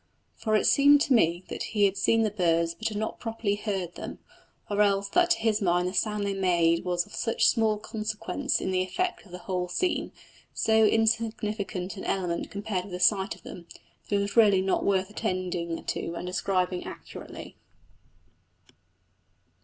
For it seemed to me that he had seen the birds but had not properly heard them; or else that to his mind the sound they made was of such small consequence in the effect of the whole scene so insignificant an element compared with the sight of them that it was really not worth attending to and describing accurately.